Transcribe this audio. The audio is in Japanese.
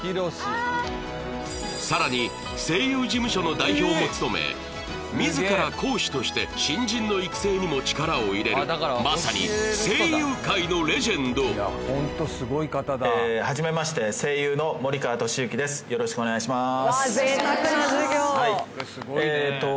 さらに声優事務所の代表も務め自ら講師として新人の育成にも力を入れるまさに声優界のレジェンドよろしくお願いします